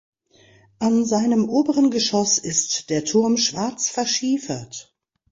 An seinem oberen Geschoss ist der Turm schwarz verschiefert.